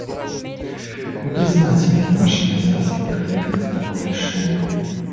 Мы признательны нашим азиатским коллегам за такое решение.